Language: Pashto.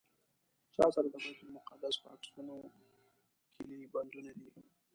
چا سره د بیت المقدس په عکسونو کیلي بندونه دي.